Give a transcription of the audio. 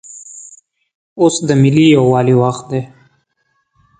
اوس دملي یووالي وخت دی